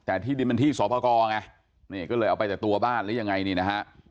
อันนี้เป็นที่สวพกนี่ก็เลยเอาไปแต่ตัวบ้านหรือยังไงนี่นะฮะ